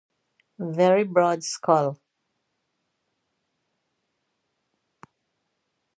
Very broad skull.